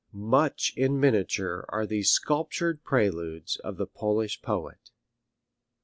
Much in miniature are these sculptured Preludes of the Polish poet. VIII.